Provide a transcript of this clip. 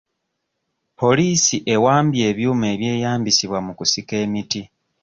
Poliisi ewambye ebyuma ebyeyambisibwa mu kusika emiti.